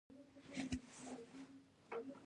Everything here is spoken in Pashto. معیار ته پام وکړئ